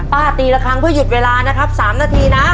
ตีละครั้งเพื่อหยุดเวลานะครับ๓นาทีนะ